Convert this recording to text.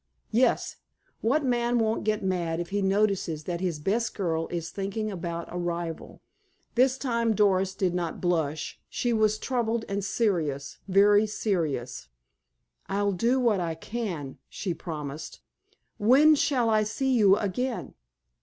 "Yes. What man won't get mad if he notices that his best girl is thinking about a rival." This time Doris did not blush. She was troubled and serious, very serious. "I'll do what I can," she promised. "When shall I see you again?"